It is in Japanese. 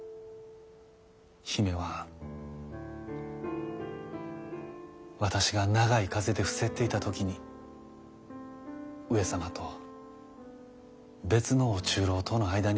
姫は私が長い風邪で伏せっていた時に上様と別の御中臈との間にできた子ぉや。